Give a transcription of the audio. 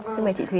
xin mời chị thúy